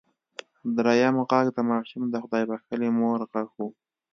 دريم غږ د ماشوم د خدای بښلې مور غږ و.